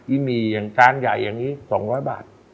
หี่อย่างจานใหญ่อย่างนี้๒๐๐บาท